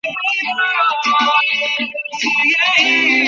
তিনি পুনরায় অবসরের ঘোষণা দেন।